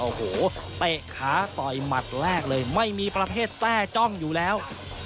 โอ้โหเตะขาต่อยหมัดแรกเลยไม่มีประเภทแทร่จ้องอยู่แล้ว